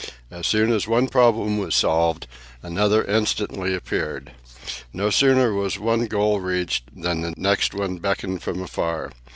As soon as one problem was solved, another instantly appeared. No sooner was one goal reached, than the next one beckoned from afar.